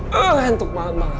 tuh hantu banget bang